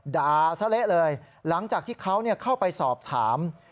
ซะเละเลยหลังจากที่เขาเข้าไปสอบถาม